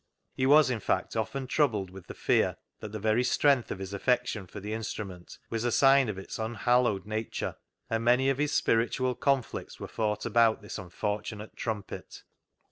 He was, in fact, often troubled with the fear that the very strength of his affection for the instrument was a sign of its unhallowed nature, and many of his spiritual conflicts were fought about this un fortunate trumpet.